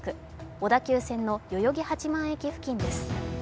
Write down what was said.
小田急線の代々木八幡駅付近です。